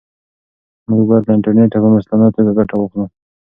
موږ باید له انټرنیټه په مسؤلانه توګه ګټه واخلو.